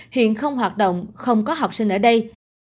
hiện không hoạt động không có học sinh ở đây